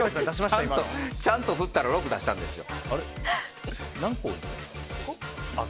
ちゃんと振ったら６出したんですよ。